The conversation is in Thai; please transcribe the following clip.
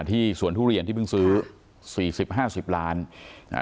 ที่สวนทุเรียนที่เพิ่งซื้อสี่สิบห้าสิบล้านอ่า